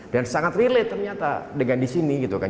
dan sangat relate ternyata dengan di sini gitu kan